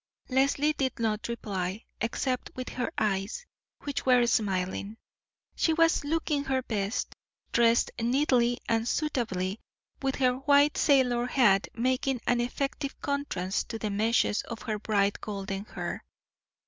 Leslie did not reply, except with her eyes, which were smiling. She was looking her best, dressed neatly and suitably, with her white sailor hat making an effective contrast to the meshes of her bright golden hair.